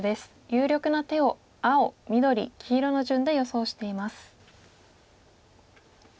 有力な手を青緑黄色の順で予想しています。